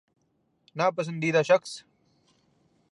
نا پسندیدہ شخص